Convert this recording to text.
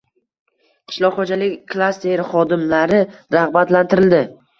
Qishloq xo‘jalik klasteri xodimlari rag‘batlantirildi